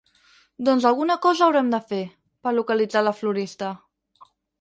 Doncs alguna cosa haurem de fer, per localitzar la florista.